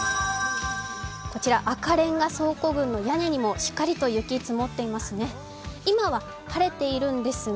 こちら赤レンガ倉庫群の屋根にもしっかり雪が積もっていますね。